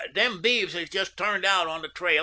Them beeves is just turned out on the trail.